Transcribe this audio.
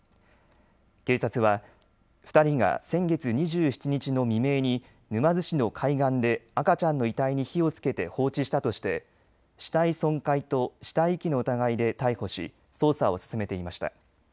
警察は２人が先月２７日の未明に沼津市の海岸で赤ちゃんの遺体に火をつけて放置したとして死体損壊と死体遺棄の疑いで逮捕し捜査を進めていました。